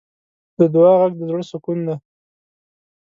د دعا غږ د زړۀ سکون دی.